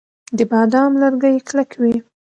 د بادام لرګي کلک وي.